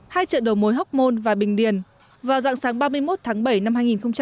hai chợ đầu mối hóc môn và bình điền vào dạng sáng ba mươi một tháng bảy năm hai nghìn hai mươi